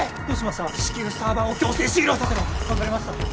どうしました？